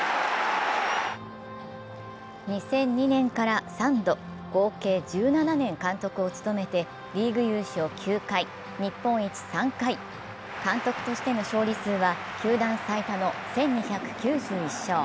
２００２年から３度、合計１７年、監督を務めてリーグ優勝９回、日本一３回、監督しての勝利数は球団最多の１２９１勝。